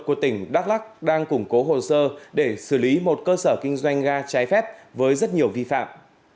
của tỉnh đắk lắc đang củng cố hồ sơ để xử lý một cơ sở kinh doanh ga trái phép với rất nhiều vi phạm